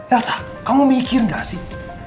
elsa kamu mikir gak sih